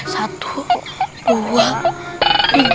satu dua tiga